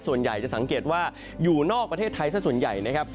ส่วนใหญ่จะสังเกตว่าอยู่นอกประเทศไทยสักส่วนใหญ่นะครับ